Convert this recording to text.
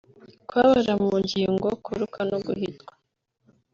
kubabara mu ngingo kuruka no guhitwa